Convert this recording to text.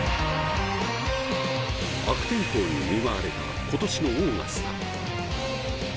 悪天候に見舞われた、今年のオーガスタ。